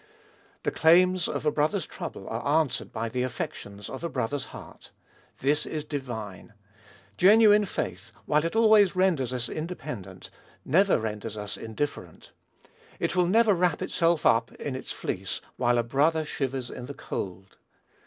The claims of a brother's trouble are answered by the affections of a brother's heart. This is divine. Genuine faith, while it always renders us independent, never renders us indifferent. It will never wrap itself up in its fleece while a brother shivers in the cold.